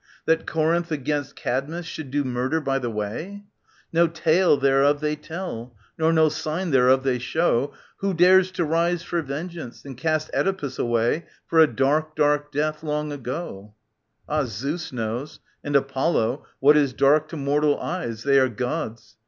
That Corinth agamst Cadmus should do murder by the way ? No tale thereof they tell, nor no sign thereof they show ; Who dares to rise for vengeance and cast Oedipus away For a dark, dark death long ago I Ah, Zeus knows, and Apollo, what is dark to mortal eyes ; They are Gods.